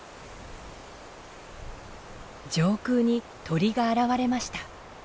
上空に鳥が現れました。